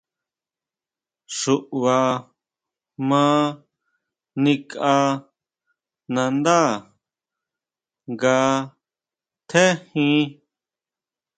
Xuʼba ma nikʼa nandá nga tjéjin.